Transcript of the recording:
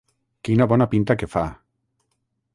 Quina bona pinta que fa,